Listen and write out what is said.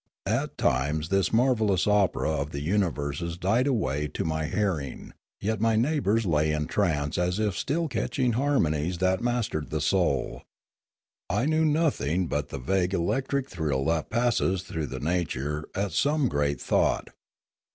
At times this marvellous opera of universes died away to my hear ing ; yet my neighbours lay in trance as if still catching harmonies that mastered the soul. I knew nothing but the vague electric thrill that passes through the nature at some great thought.